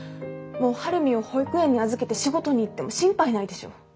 もう晴海を保育園に預けて仕事に行っても心配ないでしょう。